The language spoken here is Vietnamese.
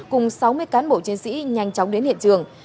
cùng sáu mươi cán bộ chiến sĩ nhanh chóng đến hiện trường